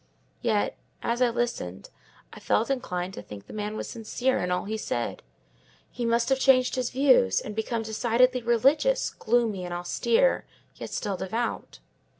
Yet, as I listened, I felt inclined to think the man was sincere in all he said: he must have changed his views, and become decidedly religious, gloomy and austere, yet still devout.